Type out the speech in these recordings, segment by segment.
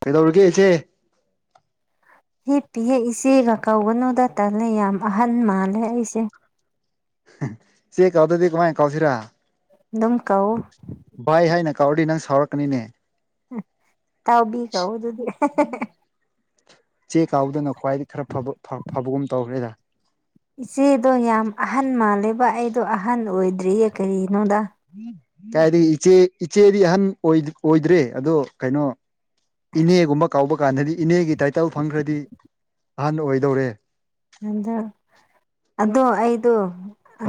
ꯀꯩꯗꯧꯔꯒꯦ ꯏꯆꯦ ꯍꯤꯞꯄꯤꯑꯦ ꯏꯆꯦꯒ ꯀꯧꯒꯅꯨꯗ ꯇꯜꯂꯦ ꯌꯥꯝ ꯑꯍꯟ ꯃꯥꯜꯂꯦ ꯑꯩꯁꯦ ꯏꯆꯦ ꯀꯧꯗꯗꯤ ꯀꯃꯥꯏ ꯀꯧꯁꯤꯔꯥ ꯑꯗꯨꯝ ꯀꯧꯑꯣ ꯀꯧꯎꯔꯗꯤ ꯅꯪ ꯁꯥꯎꯔꯛꯀꯅꯤꯅꯦ ꯇꯥꯎꯕꯤꯈ꯭ꯔꯣ ꯑꯗꯨꯗꯤ ꯍꯦ ꯍꯦ ꯍꯦ ꯏꯆꯦ ꯀꯧꯎꯕꯗꯨꯅ ꯈ꯭ꯋꯥꯏꯗꯒꯤ ꯈꯔ ꯐꯕ ꯐꯕꯨꯒꯨꯝ ꯇꯧꯈ꯭ꯔꯦꯗ ꯏꯆꯦꯗꯣ ꯌꯥꯝ ꯑꯍꯟ ꯃꯥꯜꯂꯦꯕ ꯑꯩꯗꯣ ꯑꯍꯟ ꯑꯣꯏꯗ꯭ꯔꯤꯌꯦ ꯀꯔꯤꯅꯣꯗ ꯀꯥꯏꯗꯩ ꯏꯆꯦ ꯏꯆꯦꯗꯤ ꯑꯍꯟ ꯑꯣꯏꯗ꯭ꯔꯦ ꯑꯗꯣ ꯀꯩꯅꯣ ꯏꯅꯦꯒꯨꯝꯕ ꯀꯧꯎꯕ ꯀꯥꯟꯗꯗꯤ ꯏꯅꯦꯒꯤ ꯇꯥꯏꯇꯜ ꯐꯪꯈ꯭ꯔꯗꯤ ꯑꯍꯟ ꯑꯣꯏꯗꯧꯔꯦ ꯑꯗ ꯑꯗꯣ ꯑꯩꯗꯣ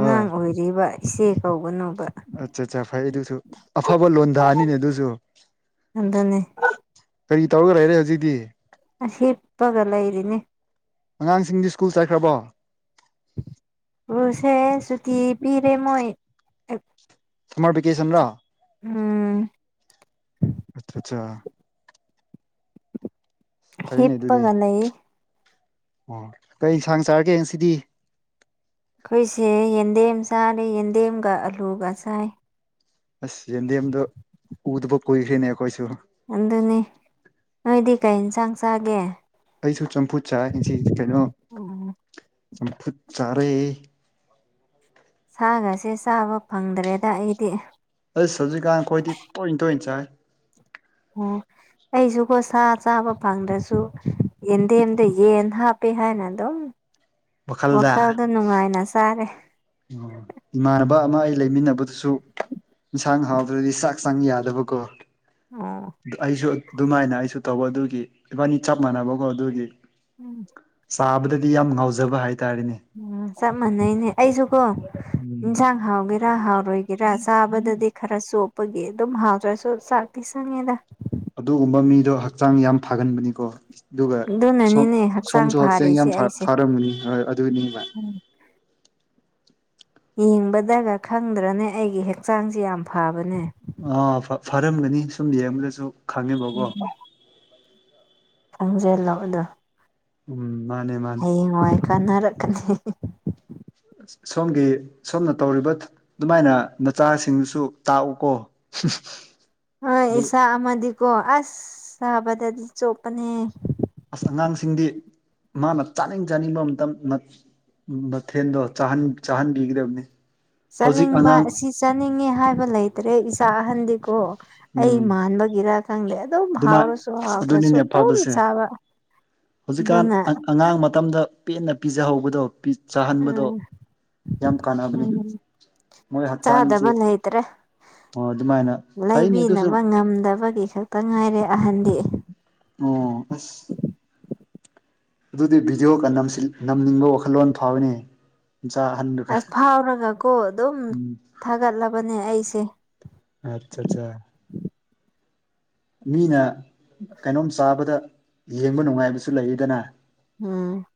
ꯍꯣꯏ ꯑꯣꯏꯔꯤꯕ ꯏꯆꯦ ꯀꯧꯒꯅꯣ ꯑꯠꯆꯥ ꯑꯠꯆꯥ ꯐꯩ ꯑꯗꯨꯁꯨ ꯑꯐꯕ ꯂꯣꯟꯗꯥꯅꯤꯅꯦ ꯑꯗꯨꯁꯨ ꯑꯗꯨꯅꯤ ꯀꯔꯤ ꯇꯧꯔꯒ ꯂꯩꯔꯦ ꯍꯧꯖꯤꯛꯇꯤ ꯑꯁ ꯍꯤꯞꯄꯒ ꯂꯩꯔꯤꯅꯤ ꯑꯉꯥꯡꯁꯤꯡꯗꯤ ꯁ꯭ꯀꯨꯜ ꯆꯠꯈ꯭ꯔꯕꯣ ꯁ꯭ꯀꯨꯜꯁꯦ ꯁꯨꯇꯤ ꯄꯤꯔꯦ ꯃꯣꯏ ꯁꯥꯃꯔ ꯚꯤꯀꯦꯁꯟꯂꯣ ꯎꯝ ꯑꯆꯥ ꯑꯆꯥ ꯐꯩꯅꯦ ꯑꯗꯨꯗꯤ ꯍꯤꯞꯄꯒ ꯂꯩꯌꯦ ꯑꯣ ꯀꯩ ꯏꯟꯁꯥꯡ ꯆꯥꯔꯒꯦ ꯉꯁꯤꯗꯤ ꯑꯩꯈꯣꯏꯁꯦ ꯌꯦꯟꯗꯦꯝ ꯆꯥꯔꯦ ꯌꯦꯟꯗꯦꯝꯒ ꯑꯂꯨꯒ ꯆꯥꯏ ꯑꯁ ꯌꯦꯟꯗꯦꯝꯗꯣ ꯎꯗꯕ ꯀꯨꯏꯈ꯭ꯔꯦꯅꯦ ꯑꯈꯣꯏꯁꯨ ꯑꯗꯨꯅꯦ ꯅꯣꯏꯗꯤ ꯀꯩ ꯏꯟꯁꯥꯡ ꯆꯥꯒꯦ ꯑꯩꯁꯨ ꯆꯝꯐꯨꯠ ꯆꯥꯏ ꯉꯁꯤ ꯀꯩꯅꯣ ꯎꯝ ꯆꯝꯐꯨꯠ ꯆꯥꯔꯦ ꯁꯥꯒꯁꯦ ꯆꯥꯕ ꯐꯪꯗ꯭ꯔꯦꯗ ꯑꯩꯗꯤ ꯑꯁ ꯍꯧꯖꯤꯛꯀꯥꯟ ꯈꯣꯏꯗꯤ ꯇꯣꯏꯅ ꯇꯣꯏꯅ ꯆꯥꯏ ꯑꯣ ꯑꯩꯁꯨꯀꯣ ꯁꯥ ꯆꯥꯕ ꯐꯪꯗ꯭ꯔꯁꯨ ꯌꯦꯟꯗꯦꯝꯗ ꯌꯦꯟ ꯍꯥꯞꯄꯦ ꯍꯥꯏꯅ ꯗꯨꯝ ꯋꯥꯈꯜꯗ ꯅꯨꯡꯉꯥꯏꯅ ꯆꯥꯔꯦ ꯏꯃꯥꯟꯅꯕ ꯑꯃ ꯑꯩ ꯂꯩꯃꯤꯟꯅꯕꯗꯨꯁꯨ ꯏꯟꯁꯥꯡ ꯍꯥꯎꯗ꯭ꯔꯗꯤ ꯆꯥꯛ ꯆꯣꯕ ꯌꯥꯗꯕꯀꯣ ꯑꯣ ꯑꯩꯁꯨ ꯑꯗꯨꯃꯥꯏꯅ ꯑꯩꯁꯨ ꯇꯧꯕ ꯑꯗꯨꯒꯤ ꯏꯕꯥꯅꯤ ꯆꯞ ꯃꯥꯟꯅꯕꯀꯣ ꯑꯗꯨꯒꯤ ꯎꯝ ꯆꯥꯕꯗꯗꯤ ꯌꯥꯝ ꯉꯥꯎꯖꯕ ꯍꯥꯏ ꯎꯝ ꯆꯞ ꯃꯥꯟꯅꯩꯅꯦ ꯑꯩꯁꯨꯀꯣ ꯏꯟꯁꯥꯡ ꯍꯥꯎꯒꯦꯔꯥ ꯍꯥꯎ ꯔꯣꯏꯒꯦꯔꯥ ꯆꯥꯕꯗꯗꯤ ꯈꯔ ꯆꯣꯞꯄꯒꯤ ꯑꯗꯨꯝ ꯍꯥꯎꯇ꯭ꯔꯁꯨ ꯆꯥꯛꯇꯤ ꯆꯪꯉꯦꯗ ꯑꯗꯨꯒꯨꯝꯕ ꯃꯤꯗꯣ ꯍꯛꯆꯥꯡ ꯌꯥꯝ ꯐꯥꯒꯟꯕꯅꯤꯀꯣ ꯑꯗꯨꯒ ꯁꯣꯝ ꯑꯗꯨꯅꯅꯤꯅꯦ ꯍꯛꯆꯥꯡ ꯁꯣꯝꯁꯨ ꯍꯛꯆꯦꯡ ꯌꯥꯝ ꯐꯥꯔꯤꯁꯦ ꯑꯩꯁꯦ ꯐꯥꯔꯝꯒꯅꯤ ꯍꯣꯏ ꯑꯗꯨꯅꯤ ꯕ ꯌꯦꯡꯕꯗꯒ ꯈꯪꯗ꯭ꯔꯅꯦ ꯑꯩꯒꯤ ꯍꯛꯆꯥꯡꯁꯦ ꯌꯥꯝ ꯐꯕꯅꯦ ꯑꯥ ꯐ-ꯐꯥꯔꯝꯒꯅꯤ ꯁꯨꯝ ꯌꯦꯡꯕꯗꯁꯨ ꯈꯪꯉꯦꯕꯀꯣ ꯀꯪꯖꯦꯜꯂꯛꯑꯣꯗꯣ ꯎꯝ ꯃꯥꯅꯦ ꯃꯥꯅꯦ ꯀꯥꯟꯅꯔꯛꯀꯅꯤ ꯁꯣꯝꯒꯤ ꯁꯣꯝꯅ ꯇꯧꯔꯤꯕ ꯑꯗꯨꯃꯥꯏꯅ ꯅꯆꯥꯁꯤꯡꯁꯨ ꯇꯥꯛꯎꯀꯣ [unintelligible] ꯍꯣꯏ ꯑꯗꯨ ꯏꯆꯥ ꯑꯃꯗꯤꯀꯣ ꯑꯁ ꯆꯥꯕꯗꯗꯤ ꯆꯣꯞꯄꯅꯦ ꯑꯁ ꯑꯉꯥꯡꯁꯤꯡꯗꯤ ꯃꯥꯅ ꯆꯥꯅꯤꯡ ꯆꯥꯅꯤꯡꯕ ꯃꯇꯝ ꯃꯠ ꯎꯝ ꯃꯊꯦꯜꯗꯣ ꯆꯥꯍꯟ ꯆꯥꯍꯟꯕꯤꯒꯗꯕꯅꯤ ꯍꯧꯖꯤꯛ ꯆꯥꯅꯤꯡꯕ ꯑꯉꯥꯡ ꯑꯁꯤ ꯆꯥꯅꯤꯡꯉꯦ ꯍꯥꯏꯕ ꯂꯩꯇ꯭ꯔꯦ ꯏꯁ ꯆꯥꯍꯟꯗꯤꯀꯣ ꯑꯩ ꯎꯝ ꯃꯥꯟꯕꯒꯤꯔꯥ ꯈꯪꯗꯦ ꯑꯗꯨꯝ ꯑꯗꯨꯃꯥꯏ ꯍꯥꯎꯔꯁꯨ ꯑꯁ ꯍꯥꯎꯇ꯭ꯔꯁꯨ ꯑꯗꯨꯅꯤꯅꯦ ꯑꯗꯨꯝ ꯐꯕꯁꯦ ꯆꯥꯕ ꯍꯧꯖꯤꯛꯀꯥꯟ ꯑꯗꯨꯅ ꯑ ꯑꯉꯥꯡ ꯃꯇꯝꯗ ꯄꯦꯟꯅ ꯄꯤꯖꯍꯧꯕꯗꯣ ꯄꯤ ꯆꯥꯍꯟꯕꯗꯣ ꯎꯝ ꯌꯥꯝ ꯀꯥꯟꯅꯕꯅꯤ ꯎꯝ ꯃꯣꯏ ꯍꯛꯆꯥꯡꯁꯦ ꯆꯥꯗꯕ ꯂꯩꯇ꯭ꯔꯦ ꯑꯣ ꯑꯗꯨꯃꯥꯏꯅ ꯐꯩꯅꯦ ꯑꯗꯨꯁꯨ ꯂꯩꯕꯤꯅꯕ ꯉꯝꯗꯕ ꯒꯤ ꯈꯛꯇꯪ ꯉꯥꯏꯔꯦ ꯑꯍꯟꯗꯤ ꯑꯣ ꯑꯁ ꯑꯗꯨꯗꯤ ꯚꯤꯗꯤꯑꯣꯒ ꯅꯝꯁꯤꯜ ꯅꯝꯅꯤꯡꯕ꯭ꯔꯣ ꯋꯥꯈꯜꯂꯣꯟ ꯐꯥꯎꯋꯦꯅꯦ ꯑꯁ ꯐꯥꯎꯔꯒꯀꯣ ꯑꯗꯨꯝ ꯎꯝ ꯊꯥꯒꯠꯂꯕꯅꯦ ꯑꯩꯁꯦ ꯑꯠ ꯆꯥꯆꯥ ꯃꯤꯅ ꯀꯩꯅꯣꯝ ꯆꯥꯕꯗ ꯌꯦꯡꯕ ꯅꯨꯡꯉꯥꯏꯕꯁꯨ ꯂꯩꯌꯤꯗꯅ ꯎꯝ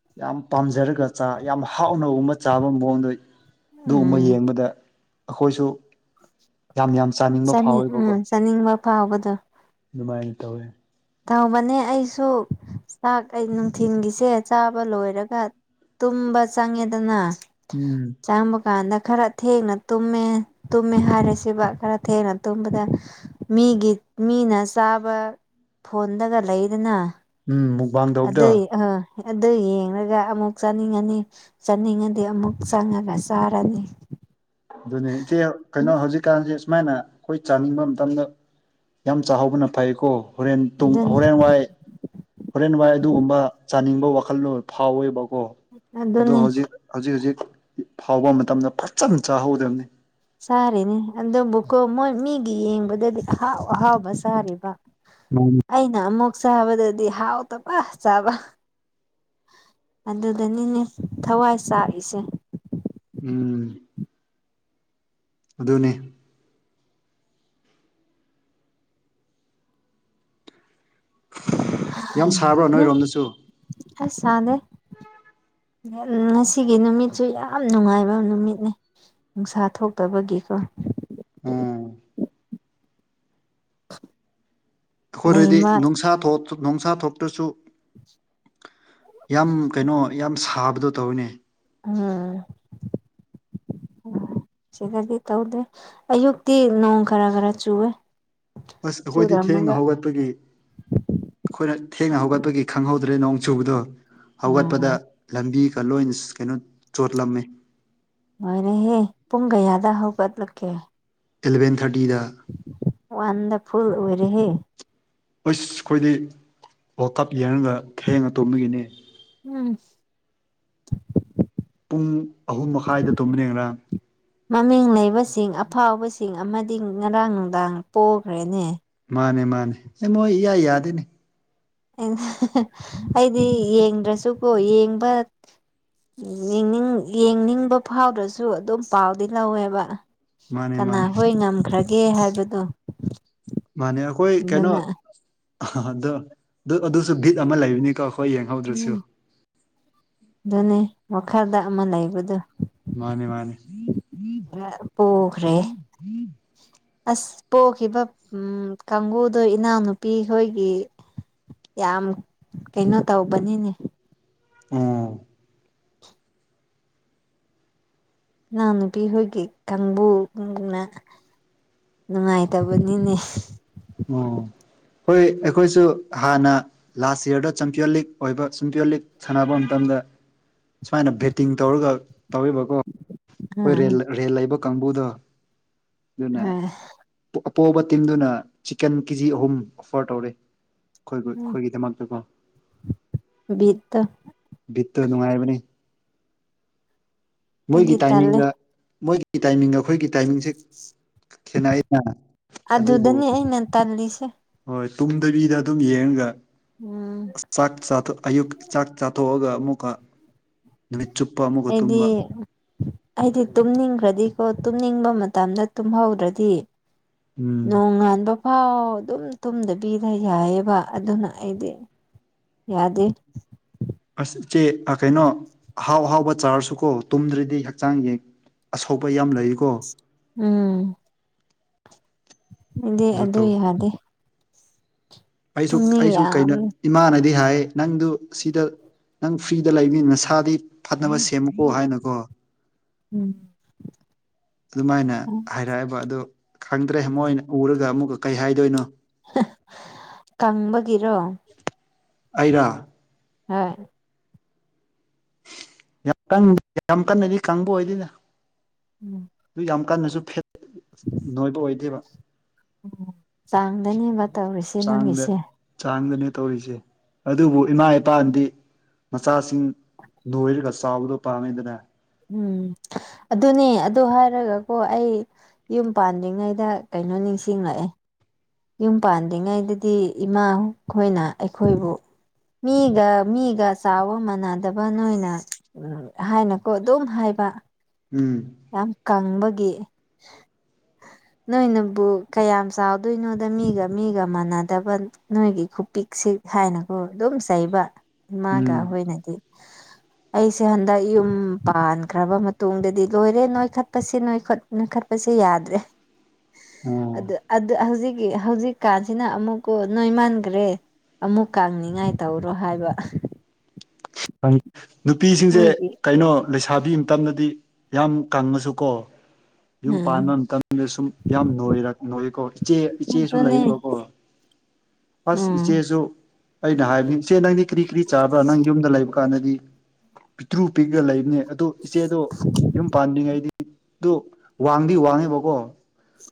ꯄꯥꯝꯖꯔꯒ ꯆꯥ ꯌꯥꯝ ꯍꯥꯎꯅ ꯒꯨꯝꯅ ꯆꯥꯕ ꯃꯑꯣꯡꯗ ꯑꯗꯨꯒꯨꯝꯕ ꯎꯝ ꯌꯦꯡꯕꯗ ꯑꯩꯈꯣꯏꯁꯨ ꯌꯥꯝ ꯌꯥꯝ ꯆꯥꯅꯤꯡꯕ ꯆꯥꯅꯤꯡ ꯐꯥꯎꯋꯦꯕꯀꯣ ꯎꯝ ꯆꯥꯅꯤꯡꯕ ꯐꯥꯎꯕꯗꯨ ꯑꯗꯨꯃꯥꯏꯅ ꯇꯧꯋꯦ ꯇꯧꯕꯅꯦ ꯑꯩꯁꯨ ꯆꯥꯛ ꯑꯩ ꯅꯨꯡꯊꯤꯜꯒꯤꯁꯦ ꯆꯥꯕ ꯂꯣꯏꯔꯒ ꯇꯨꯝꯕ ꯆꯪꯉꯦꯗꯅ ꯎꯝ ꯆꯪꯕ ꯀꯥꯟꯗ ꯈꯔ ꯊꯦꯡꯅ ꯇꯨꯝꯃꯦ ꯇꯨꯝꯃꯦ ꯍꯥꯏꯔꯁꯤꯕ ꯈꯔ ꯊꯦꯡꯅ ꯇꯨꯝꯕꯗ ꯃꯤꯒꯤ ꯃꯤꯅ ꯆꯥꯕ ꯐꯣꯟꯗꯒ ꯂꯩꯗꯅ ꯎꯝ ꯃꯨꯛꯕꯥꯥꯡ ꯇꯧꯕꯗꯣ ꯑꯗꯨꯏ ꯑꯥ ꯑꯗꯨ ꯌꯦꯡꯂꯒ ꯑꯃꯨꯛ ꯆꯥꯅꯤꯡꯉꯥꯅꯤ ꯆꯥꯅꯤꯡꯉꯥꯗꯤ ꯑꯃꯨꯛ ꯆꯪꯉꯥꯒ ꯆꯥꯔꯅꯤ ꯑꯗꯨꯅꯦ ꯏꯆꯦ ꯀꯩꯅꯣ ꯍꯧꯖꯤꯛꯀꯥꯟꯁꯤ ꯁꯨꯃꯥꯏꯅ ꯑꯩꯈꯣꯏ ꯆꯥꯅꯤꯡꯕ ꯃꯇꯝꯗ ꯌꯥꯝ ꯆꯥꯍꯧꯕꯅ ꯐꯩꯀꯣ ꯍꯣꯔꯦꯟ ꯇꯨꯡ ꯑꯗꯨꯅꯤ ꯍꯣꯔꯦꯟ ꯋꯥꯏ ꯍꯣꯔꯦꯟ ꯋꯥꯏ ꯑꯗꯨꯒꯨꯝꯕ ꯆꯥꯅꯤꯡꯕ ꯋꯥꯈꯜꯂꯣꯟ ꯐꯥꯎꯋꯦꯕ ꯀꯣ ꯑꯗꯣ ꯑꯗꯨꯅꯤ ꯍꯧꯖꯤꯛ ꯍꯧꯖꯤꯛ ꯍꯧꯖꯤꯛ ꯐꯥꯎꯕ ꯃꯇꯝꯗ ꯐꯖꯅ ꯆꯥꯍꯧꯗꯕꯅꯤ ꯁꯥꯔꯤꯅꯦ ꯑꯗꯨꯕꯨꯀꯣ ꯃꯣꯏ ꯃꯤꯒꯤ ꯌꯦꯡꯕꯗꯗꯤ ꯑꯍꯥꯎ ꯑꯍꯥꯎꯕ ꯁꯥꯥꯔꯤꯕ ꯃꯥꯅꯤ ꯑꯩꯅ ꯑꯃꯨꯛ ꯆꯥꯕꯗꯗꯤ ꯍꯥꯎ ꯇꯕ ꯆꯥꯕ ꯑꯗꯨꯗꯅꯤꯅꯦ ꯊꯋꯥꯏ ꯆꯥꯛꯏꯁꯦ ꯎꯝ ꯑꯗꯨꯅꯦ ꯌꯥꯝ ꯁꯥꯕ꯭ꯔꯣ [unintelligible] ꯅꯣꯏꯔꯣꯝꯗꯁꯨ ꯑꯁ ꯁꯥꯗꯦ ꯉꯁꯤꯒꯤ ꯅꯨꯃꯤꯠꯁꯨ ꯌꯥꯝ ꯅꯨꯡꯉꯥꯏꯕ ꯅꯨꯃꯤꯠꯅꯤ ꯅꯨꯡꯁꯥ ꯊꯣꯛꯇꯕꯒꯤꯀꯣ ꯎꯝ ꯑꯩꯈꯣꯏꯗꯗꯤ ꯂꯩꯃ ꯅꯨꯡꯁꯥ ꯊꯣꯛ ꯅꯨꯡꯁꯥ ꯊꯣꯛꯇ꯭ꯔꯁꯨ ꯌꯥꯝ ꯀꯩꯅꯣ ꯌꯥꯝ ꯁꯥꯕꯗꯣ ꯇꯧꯋꯤꯅꯦ ꯎꯝ ꯑꯣ ꯁꯤꯗꯗꯤ ꯇꯧꯗꯦ ꯑꯌꯨꯛꯇꯤ ꯅꯣꯡ ꯈꯔ ꯈꯔ ꯆꯨꯋꯦ ꯑꯁ ꯑꯩꯈꯣꯏꯗꯤ ꯊꯦꯡꯅ ꯆꯨꯔꯝꯃꯒ ꯍꯧꯒꯠꯄꯒꯤ ꯑꯩꯈꯣꯏꯅ ꯊꯦꯡꯅ ꯍꯧꯒꯠꯄꯒꯤ ꯈꯪꯍꯧꯗ ꯗ꯭ꯔꯦ ꯅꯣꯡ ꯆꯨꯕꯗꯣ ꯍꯧꯒꯠꯄꯗ ꯎꯝ ꯂꯝꯕꯤ ꯒꯂꯣꯏꯅ ꯀꯩꯅꯣ ꯆꯣꯠꯂꯝꯃꯦ ꯂꯣꯏꯔꯦꯍꯦ ꯄꯨꯡ ꯀꯌꯥꯗ ꯍꯧꯒꯠ ꯂꯛꯀꯦ ꯑꯦꯂꯚꯦꯟ ꯊꯥꯔꯇꯤꯗ ꯋꯥꯟꯗ ꯐꯨꯜ ꯑꯣꯏꯔꯦꯍꯦ ꯑꯁ ꯑꯩꯈꯣꯏꯗꯤ ꯋꯥꯔꯜ ꯀꯞ ꯌꯦꯡꯔꯒ ꯊꯦꯡꯅ ꯇꯨꯝꯕꯒꯤꯅꯤ ꯎꯝ ꯄꯨꯡ ꯑꯍꯨꯝ ꯃꯈꯥꯏꯗ ꯇꯨꯝꯕꯅꯦ ꯉꯔꯥꯡ ꯃꯃꯤꯡ ꯂꯩꯕꯁꯤꯡ ꯑꯐꯥꯎꯕꯁꯤꯡ ꯑꯃꯗꯤ ꯉꯔꯥꯡ ꯅꯨꯡꯗꯥꯡ ꯄꯣꯈ꯭ꯔꯦꯅꯦ ꯃꯥꯅꯦ ꯃꯥꯅꯦ ꯃꯣꯏ ꯏꯌꯥ ꯌꯥꯗꯦꯅꯦ ꯑꯩꯗꯤ ꯌꯦꯡꯗ꯭ꯔꯁꯨꯀꯣ ꯌꯦꯡꯕ ꯌꯦꯡꯅꯤꯡ ꯌꯦꯡꯅꯤꯡꯕ ꯐꯥꯎꯗ꯭ꯔꯁꯨ ꯑꯗꯨꯝ ꯄꯥꯎꯗꯤ ꯂꯧꯋꯦꯕ ꯃꯥꯅꯦ ꯃꯥꯅꯦ ꯀꯅꯥꯍꯣꯏ ꯉꯝꯈ꯭ꯔꯒꯦ ꯍꯥꯏꯕꯗꯣ ꯃꯥꯅꯦ ꯑꯩꯈꯣꯏ ꯀꯩꯅꯣ ꯑꯗꯨꯅ ꯑꯥꯗꯣ ꯑꯗꯨ ꯑꯗꯨꯁꯨ ꯕꯤꯠ ꯑꯃ ꯂꯩꯕꯅꯤꯀꯣ ꯍꯣꯏ ꯌꯦꯡꯍꯧꯗ꯭ꯔꯁꯨ ꯎꯝ ꯑꯗꯨꯅꯦ ꯃꯈꯥꯗ ꯑꯃ ꯂꯩꯕꯗꯣ ꯃꯥꯅꯤ ꯃꯥꯅꯤ ꯑ ꯄꯣꯈ꯭ꯔꯦ ꯑꯁ ꯄꯣꯈꯤꯕ ꯎꯝ ꯀꯥꯡꯒꯨꯗꯣ ꯏꯅꯥꯎꯅꯨꯄꯤꯈꯣꯏꯒꯤ ꯌꯥꯝ ꯀꯩꯅꯅꯣ ꯇꯧꯕꯅꯤꯅꯦ ꯑꯣ ꯏꯅꯥꯎ ꯅꯨꯨꯄꯤꯈꯣꯏꯒꯤ ꯀꯥꯡꯕꯨꯅ ꯅꯨꯡꯉꯥꯏꯇꯕꯅꯤꯅꯦ ꯑꯣ ꯍꯣꯏ ꯑꯩꯈꯣꯏꯁꯨ ꯍꯥꯟꯅ ꯂꯥꯁ ꯏꯌꯔꯗ ꯆꯝꯄꯤꯌꯟ ꯂꯤꯛ ꯑꯣꯏꯕ ꯆꯝꯄꯤꯌꯟ ꯂꯤꯛ ꯁꯥꯟꯅꯕ ꯃꯇꯝꯗ ꯗ ꯁꯨꯃꯥꯏꯅ ꯕꯦꯠꯇꯤꯡ ꯇꯧꯔꯒ ꯇꯧꯋꯦꯕꯀꯣ ꯑꯩꯈꯣꯏ ꯑꯥ ꯔꯦꯜ ꯂꯩꯕ ꯀꯥꯡꯕꯨꯗꯣ ꯑꯗꯨꯅ ꯍꯣꯏ ꯄꯣꯕ ꯇꯤꯝꯗꯨꯅ ꯆꯤꯀꯟ ꯀꯦ ꯖꯤ ꯑꯍꯨꯝ ꯑꯣꯐꯔ ꯇꯧꯔꯦ ꯑꯩꯈꯣꯏ ꯑꯩꯈꯣꯏꯒꯤꯗꯃꯛꯇꯀꯣ ꯕꯤꯠꯇꯣ ꯕꯤꯠꯇ ꯅꯨꯡꯉꯥꯏꯕꯅꯤ ꯃꯣꯏꯒꯤ ꯑꯩꯗꯤ ꯇꯜꯂꯦ ꯇꯥꯏꯃꯤꯡꯒ ꯃꯣꯏꯒꯤ ꯇꯥꯏꯃꯤꯡꯒ ꯑꯩꯈꯣꯏꯒꯤ ꯇꯥꯏꯃꯤꯡꯁꯦ ꯈꯦꯠꯅꯩꯅ ꯑꯗꯨꯕꯨ ꯑꯗꯨꯨꯗꯅꯤ ꯑꯩꯅꯦ ꯇꯜꯂꯤꯁꯦ ꯍꯣꯏ ꯇꯨꯝꯗꯕꯤꯗ ꯑꯗꯨꯝ ꯌꯦꯡꯉꯒ ꯎꯝ ꯆꯥꯛ ꯆꯥꯊꯣꯛ ꯑꯌꯨꯛ ꯆꯥꯛ ꯆꯥ ꯊꯣꯛꯑꯒ ꯑꯃꯨꯛꯀ ꯅꯨꯃꯤꯠ ꯆꯨꯞꯄ ꯑꯃꯨꯛꯀ ꯑꯩꯗꯤ ꯇꯨꯝꯕ ꯑꯩꯗꯤ ꯇꯨꯝꯅꯤꯡꯈ꯭ꯔꯗꯤꯀꯣ ꯇꯨꯝꯅꯤꯡꯕ ꯃꯇꯝꯗ ꯇꯨꯝꯍꯧꯗ꯭ꯔꯗꯤ ꯎꯝ ꯅꯣꯡ ꯉꯥꯟꯕ ꯄꯥꯎ ꯑꯗꯨꯝ ꯇꯨꯝꯗꯕꯤꯗ ꯌꯥꯏꯑꯦꯕ ꯑꯗꯨꯅ ꯑꯩꯗꯤ ꯌꯥꯗꯦ ꯑꯁ ꯏꯆꯦ ꯀꯩꯅꯣ ꯑꯍꯥꯎ ꯑꯍꯥꯎꯕ ꯆꯥꯔꯁꯨꯀꯣ ꯇꯨꯝꯗ꯭ꯔꯗꯤ ꯍꯛꯆꯥꯡ [unintelligible] ꯑꯁꯣꯛꯄ ꯌꯥꯝ ꯂꯩꯀꯣ ꯎꯝ [unintelligible] ꯑꯗꯨ ꯌꯥꯗꯦ ꯑꯩꯁꯨ ꯇꯨꯝꯅꯤꯡ ꯑꯩꯁꯨ ꯌꯥꯝ ꯀꯩꯅꯣ ꯏꯃꯥꯅꯗꯤ ꯍꯥꯏꯌꯦ ꯅꯪꯗꯨ ꯁꯤꯗ ꯅꯪ ꯐ꯭ꯔꯤꯗ [unintelligible] ꯅꯁꯥꯗꯤ ꯐꯅꯕ ꯁꯦꯝꯃꯨꯀꯣ ꯍꯥꯏꯅꯀꯣ ꯎꯝ ꯑꯗꯨꯃꯥꯏꯅ ꯍꯥꯏꯔꯛꯑꯕ ꯑꯗꯨ ꯈꯪꯗ꯭ꯔꯦ ꯃꯣꯏꯅ ꯎꯔꯒ ꯑꯃꯨꯛꯀ ꯀꯩ ꯍꯥꯏꯗꯣꯏꯅꯣ ꯀꯪꯕꯒꯤꯔꯣ ꯑꯩꯔꯥ ꯍꯣꯏ ꯌꯥꯝ ꯀ ꯌꯥꯝ ꯀꯟꯅꯗꯤ ꯀꯪꯕ ꯑꯣꯏꯗꯦꯗ ꯎꯝ ꯑꯗꯨ ꯌꯥꯝ ꯀꯟꯅꯁꯨ ꯐꯦꯠ ꯅꯣꯏꯕ ꯑꯣꯏꯗꯦꯕ ꯎꯝ ꯆꯥꯡꯗꯅꯦꯕ ꯇꯧꯔꯤꯁꯦ ꯆꯥꯡꯗ ꯅꯪꯒꯤꯁꯦ ꯆꯥꯡꯗꯅꯦ ꯇꯧꯔꯤꯁꯦ ꯑꯗꯨꯕꯨ ꯏꯃꯥ ꯏꯄꯥꯗꯤ ꯃꯆꯥꯁꯤꯡ ꯅꯣꯏꯔꯒ ꯆꯥꯎꯕꯗꯣ ꯄꯥꯝꯃꯦꯗꯅ ꯎꯝ ꯑꯗꯨꯅꯦ ꯑꯗꯨ ꯍꯥꯏꯔꯒꯀꯣ ꯑꯩ ꯌꯨꯝ ꯄꯥꯟꯗ꯭ꯔꯤꯉꯩꯗ ꯀꯩꯅꯣ ꯅꯤꯡꯁꯤꯡꯂꯛꯑꯦ ꯌꯨꯝ ꯄꯥꯟꯗ꯭ꯔꯤꯉꯩꯗꯗꯤ ꯏꯃꯥ ꯈꯣꯏꯅ ꯑꯩꯈꯣꯏꯕꯨ ꯃꯤꯒ ꯃꯤꯒ ꯆꯥꯎꯕ ꯃꯥꯟꯅꯗꯕ ꯅꯣꯏꯅ ꯍꯥꯏꯅꯨꯀꯣ ꯑꯗꯨꯝ ꯍꯥꯏꯕ ꯎꯝ ꯌꯥꯝ ꯀꯪꯕ ꯒꯤ ꯅꯣꯏꯅꯕꯨ ꯀꯌꯥꯝ ꯆꯥꯎ ꯗꯨꯢꯅꯣꯗ ꯃꯤꯒ ꯃꯤꯒ ꯃꯥꯟꯅꯗꯕ ꯅꯣꯏꯒꯤ ꯈꯨꯄꯤꯛꯁꯤ ꯍꯥꯏꯅꯀꯣ ꯑꯗꯨꯝ ꯆꯩꯕ ꯏꯃꯥꯒ ꯎꯝ ꯍꯣꯏꯅꯗꯤ [inaudible] ꯑꯩꯁꯦ ꯍꯟꯗꯛ ꯌꯨꯝ ꯄꯥꯟꯈ꯭ꯔꯕ ꯃꯇꯨꯡꯗꯗꯤ ꯂꯣꯏꯔꯦ ꯅꯣꯏꯈꯠꯄꯁꯤ ꯅꯣꯢꯈꯠ ꯅꯣꯢꯈꯠꯄ ꯄꯁꯤ ꯌꯥꯗ꯭ꯔꯦ ꯑꯣ ꯑꯗꯨ ꯑ ꯍꯧꯖꯤꯛꯀꯤ ꯍꯧꯖꯤꯛꯀꯥꯟꯁꯤꯅ ꯑꯃꯨꯛꯀꯣ ꯅꯣꯏꯃꯟꯒ꯭ꯔꯦ ꯑꯃꯨꯛ ꯀꯪꯅꯤꯡꯉꯥꯏ ꯇꯧꯔꯣ ꯍꯥꯏꯕ ꯑꯩ ꯅꯨꯄꯤꯁꯤꯡꯁꯦ ꯃꯣꯏꯒꯤ ꯀꯩꯅꯣ ꯂꯩꯁꯥꯕꯤ ꯃꯇꯝꯗꯗꯤ ꯌꯥꯝ ꯀꯪꯉꯁꯨ ꯀꯣ ꯌꯨꯝ ꯄꯥꯟꯕ ꯃꯇꯝꯗ ꯁꯨꯝ ꯌꯥꯝ ꯅꯣꯏꯔꯛ ꯅꯣꯏꯀꯣ ꯏꯆꯦ ꯏꯆꯦꯁꯨ ꯑꯗꯨꯅꯦ ꯂꯩꯌꯤꯕꯀꯣ ꯑꯁ ꯎꯝ ꯏꯆꯦꯁꯨ ꯑꯩꯅ ꯍꯥꯏꯕꯅꯤ ꯏꯆꯦ ꯅꯪꯗꯤ ꯀ꯭ꯔꯤ ꯀ꯭ꯔꯤ ꯆꯥꯕ꯭ꯔꯥ ꯅꯪ ꯌꯨꯝꯗ ꯂꯩꯕ ꯀꯥꯟꯗꯗꯤ ꯄꯤꯛꯇ꯭ꯔꯨ ꯄꯤꯛꯔ ꯂꯩꯕꯅꯦ ꯑꯗꯨ ꯏꯆꯦꯗꯣ ꯌꯨꯝ ꯄꯥꯟꯗ꯭ꯔꯤꯉꯩꯗꯤ ꯗꯨ ꯋꯥꯡꯗꯤ ꯋꯥꯡꯉꯦꯕꯀꯣ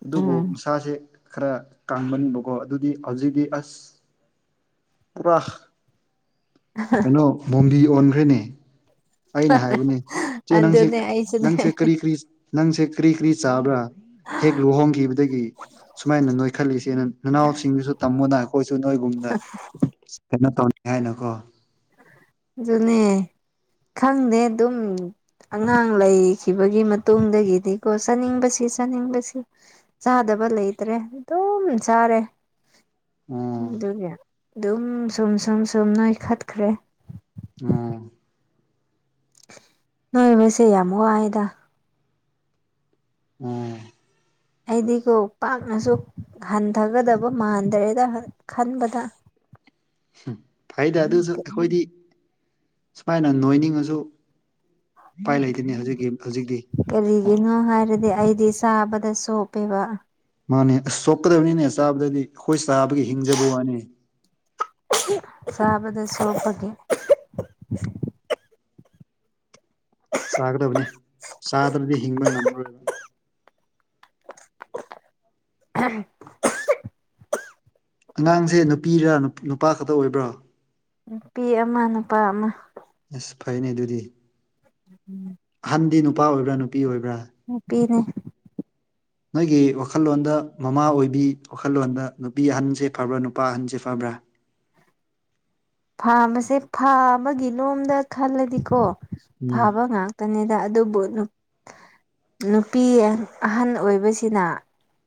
ꯑꯗꯨꯕꯨ ꯑꯗꯨꯅꯦ ꯃꯁꯥꯁꯦ ꯈꯔ ꯀꯥꯡꯃꯟꯕꯀꯣ ꯑꯗꯨꯗꯤ ꯍꯧꯖꯤꯛꯇꯤ ꯑꯁ ꯄꯨꯔꯥ ꯀꯩꯅꯣ ꯃꯣꯝꯕꯤ ꯑꯣꯟꯈ꯭ꯔꯦꯅꯦ ꯑꯩꯅ ꯍꯥꯏꯕꯅꯦ ꯢꯆꯦ ꯅꯪꯁꯦ ꯑꯗꯨꯅꯦ ꯑꯩꯁꯨꯅꯦ ꯅꯪꯁꯦ ꯀꯔꯤ ꯀ꯭ꯔꯤ ꯅꯪꯁꯦ ꯀ꯭ꯔꯤ ꯀ꯭ꯔꯤ ꯆꯥꯕ꯭ꯔꯥ ꯍꯦꯛ ꯂꯨꯍꯣꯡꯈꯤꯕꯗꯒꯤ ꯁꯨꯃꯥꯏꯅ ꯅꯣꯏꯈꯠꯂꯤꯁꯦꯅ ꯅꯅꯥꯎꯁꯤꯡꯗꯁꯨ ꯇꯝꯃꯣꯗꯥꯢ ꯑꯈꯣꯏꯁꯨ ꯅꯣꯏꯒꯨꯝꯅ ꯀꯩꯅꯣ ꯇꯧ ꯅꯤꯍꯥꯏꯅꯀꯣ ꯑꯗꯨꯅꯦ ꯈꯪꯗꯦ ꯗꯨꯝ ꯑꯉꯥꯡ ꯂꯩꯈꯤꯕꯒꯤ ꯃꯇꯨꯡꯗꯒꯤꯗꯤꯀꯣ ꯆꯥꯅꯤꯡꯕꯁꯤ ꯆꯥꯅꯤꯡꯕꯁꯤ ꯆꯥꯗ ꯕ ꯂꯩꯇ꯭ꯔꯦ ꯑꯗꯨꯝ ꯆꯥꯔꯦ [inaudible] ꯎꯝ ꯑꯗꯨꯒꯤ ꯑꯗꯨꯝ ꯁꯨꯝ ꯁꯨꯝ ꯁꯨꯝ ꯅꯣꯏꯈꯠꯈ꯭ꯔꯦ ꯑꯣ ꯅꯣꯏꯕꯁꯦ ꯌꯥꯝ ꯋꯥꯥꯏꯗ ꯑꯣ ꯑꯩꯗꯤꯀꯣ ꯄꯥꯛꯅꯁꯨ ꯍꯟꯊꯒꯗꯕ ꯃꯥꯟꯗ꯭ꯔꯦꯗ ꯈꯟꯕꯗ [inaudible] ꯐꯩꯗ ꯑꯗꯨꯁꯨ ꯑꯩꯈꯣꯏꯗꯤ ꯁꯨꯃꯥꯏꯅ ꯅꯣꯏꯅꯤꯡꯉꯁꯨ ꯎꯄꯥꯏ ꯂꯩꯇꯦꯅꯦ ꯍꯧꯖꯤꯛꯀꯤ ꯍꯧꯖꯤꯛꯇꯤ ꯀꯔꯤꯒꯤꯅꯣ ꯍꯥꯏꯔꯗꯤ ꯑꯩꯗꯤ ꯆꯥꯕꯗ ꯆꯣꯞꯄꯦꯕ ꯃꯥꯅꯦ ꯑꯁ ꯆꯣꯞꯀꯗꯝꯅꯤꯅꯦ ꯆꯥꯕꯗꯗꯤ ꯑꯈꯣꯏ ꯆꯥꯕꯒꯤ ꯍꯤꯡꯖꯕ ꯋꯥꯅꯤ ꯆꯥꯕꯗ ꯆꯣꯞꯄꯒꯤ ꯆꯥꯒꯗꯕꯅꯤ ꯆꯥꯗꯅꯗꯤ ꯍꯤꯡꯕ ꯉꯝꯃꯔꯣꯏꯕ [unintelligible] ꯑꯉꯥꯡꯁꯦ ꯅꯨꯄꯤꯔ ꯅꯨꯄꯥ ꯈꯛꯇ ꯑꯣꯏꯕ꯭ꯔꯣ ꯅꯨꯄꯤ ꯑꯃ ꯅꯨꯄꯥ ꯑꯃ ꯑꯁ ꯐꯩꯅꯦ ꯑꯗꯨꯗꯤ ꯎꯝ ꯗꯤ ꯅꯨꯄꯥ ꯑꯣꯏꯕ꯭ꯔꯥ ꯅꯨꯄꯤ ꯑꯣꯏꯕ꯭ꯔꯥ ꯅꯨꯄꯤꯅꯦ ꯅꯣꯏꯒꯤ ꯋꯥꯈꯜꯂꯣꯟꯗ ꯃꯃꯥ ꯑꯣꯏꯕꯤ ꯋꯥꯈꯜꯂꯣꯟꯗ ꯅꯨꯄꯤ ꯑꯍꯟꯁꯦ ꯐꯕ꯭ꯔꯥ ꯅꯨꯄꯥ ꯑꯍꯟꯁꯦ ꯐꯕ꯭ꯔꯥ ꯑꯥ ꯐꯥꯕꯁꯦ ꯐꯥꯕꯒꯤ ꯂꯣꯝꯗ ꯈꯜꯂꯗꯤꯀꯣ ꯎꯝ ꯐꯕ ꯉꯥꯛꯇꯅꯤꯗ ꯑꯗꯨꯕꯨ ꯅꯨꯄꯤ ꯑꯍꯜ ꯑꯣꯏꯕꯁꯤꯅ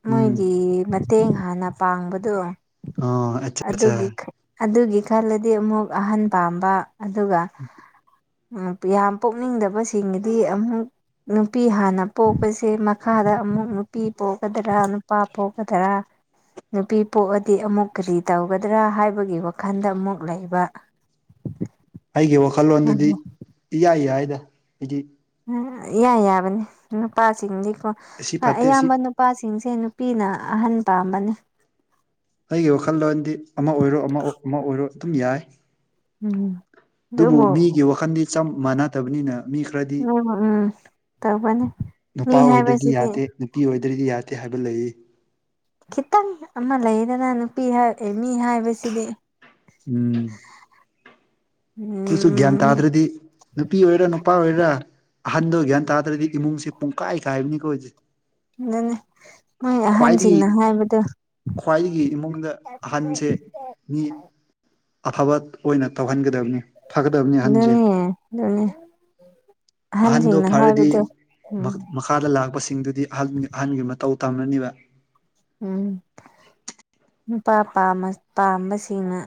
ꯎꯝ ꯃꯣꯏꯒꯤ ꯃꯇꯦꯡ ꯍꯥꯟꯅ ꯄꯥꯡꯕꯗꯣ ꯑꯣ ꯑꯆꯥ ꯆꯥ ꯑꯗꯨꯒꯤ ꯑꯗꯨꯒꯤ ꯈꯜꯂꯗꯤ ꯑꯃꯨꯛ ꯑꯍꯟ ꯄꯥꯝꯕ ꯑꯗꯨꯒ ꯎꯝ ꯌꯥꯝ ꯄꯣꯛꯅꯤꯡꯗꯕꯁꯤꯡꯒꯤꯗꯤ ꯑꯃꯨꯛ ꯅꯨꯄꯤ ꯍꯥꯟꯅ ꯄꯣꯛꯄꯁꯦ ꯃꯈꯥꯗ ꯑꯃꯨꯛ ꯅꯨꯄꯤ ꯄꯣꯛꯀꯗꯔꯥ ꯅꯨꯄꯥ ꯄꯣꯛꯀꯗꯔꯥ ꯅꯨꯄꯤ ꯄꯣꯛꯑꯗꯤ ꯑꯃꯨꯛ ꯀ꯭ꯔꯤ ꯇꯧꯒꯗ꯭ꯔꯥ ꯍꯥꯏꯕꯒꯤ ꯋꯥꯈꯜꯗ ꯑꯃꯨꯛ ꯂꯩꯕ ꯑꯩꯒꯤ ꯋꯥꯈꯜꯂꯣꯟꯗꯨꯗꯤ ꯏꯌꯥ ꯌꯥꯏꯗ ꯍꯥꯏꯗꯤ ꯎꯝ ꯏꯌꯥ ꯌꯥꯕꯅꯤ ꯅꯨꯄꯥꯁꯤꯡꯗꯤꯀꯣ ꯑꯁꯤ ꯐꯠꯇꯦ ꯁꯤ ꯑꯌꯥꯝꯕ ꯅꯨꯄꯥꯁꯤꯡ ꯁꯤꯡꯁꯦ ꯅꯨꯄꯤꯅ ꯑꯍꯟ ꯄꯥꯝꯕꯅꯦ ꯑꯩꯒꯤ ꯋꯥꯈꯜꯂꯣꯟꯗꯤ ꯑꯃ ꯑꯣꯏꯔꯣ ꯑꯃ ꯑꯃ ꯑꯣꯏꯔꯣ ꯗꯨꯝ ꯌꯥꯏ ꯎꯝ ꯑꯗꯨꯕꯨ ꯃꯤꯒꯤ ꯋꯥꯈꯟꯗꯤ ꯆꯞ ꯃꯥꯟꯅꯗꯕꯅꯤꯅ ꯃꯤ ꯈ꯭ꯔꯗꯤ ꯎꯝ ꯇꯧꯕꯅꯤ ꯃꯤ ꯅꯨꯄꯥ ꯑꯣꯏꯗ꯭ꯔꯗꯤ ꯍꯥꯏꯕꯁꯤꯗꯤ ꯌꯥꯗꯦ ꯅꯨꯄꯤ ꯑꯣꯏꯗ꯭ꯔꯗꯤ ꯌꯥꯗꯦ ꯍꯥꯏꯕ ꯂꯩ ꯈꯤꯇꯪ ꯑꯃ ꯂꯩꯗꯅ ꯅꯨꯄꯤ ꯃꯤ ꯍꯥꯏꯕꯁꯤꯗꯤ ꯎꯝ ꯑꯗꯨꯁꯨ ꯒ꯭ꯌꯥꯟ ꯎꯝ ꯇꯥꯗ꯭ꯔꯗꯤ ꯅꯨꯄꯤ ꯑꯣꯏꯔꯅꯨ ꯅꯨꯄꯥ ꯑꯣꯏꯔꯥ ꯑꯍꯟꯗꯣ ꯒ꯭ꯌꯥꯟ ꯇꯥꯗ꯭ꯔꯗꯤ ꯏꯃꯨꯡꯁꯦ ꯄꯨꯡꯀꯥꯏ ꯀꯥꯏꯕꯅꯤꯀꯣ ꯍꯧꯖꯤꯛ ꯑꯗꯨꯅꯦ ꯃꯣꯏ ꯑꯍꯟꯁꯤꯡꯅ ꯍꯥꯏꯕꯗꯣ ꯈ꯭ꯋꯥꯏꯒꯤ ꯏꯃꯨꯡꯗ ꯑꯍꯟꯁꯦ ꯃꯤ ꯑꯐꯕ ꯑꯣꯏꯅ ꯇꯧꯍꯟꯒ ꯗꯝꯅꯤ ꯐꯒꯗꯕꯅꯤ ꯑꯍꯟꯖꯦ ꯑꯗꯨꯅꯦ ꯑꯗꯨꯅꯦ ꯑꯍꯟꯗꯣ ꯑꯍꯟꯁꯤꯡꯅ ꯐꯔꯗꯤ ꯍꯥꯏꯕꯗꯣ ꯎꯝ ꯃꯈꯥꯗ ꯂꯥꯛꯄꯁꯤꯡꯗꯨꯗꯤ ꯑꯍꯟ ꯑꯍꯟꯒꯤ ꯃꯇꯧ ꯇꯝꯂꯅꯤꯕ ꯎꯝ ꯅꯨꯄꯥ ꯄꯥꯝꯕꯁꯤꯡꯅ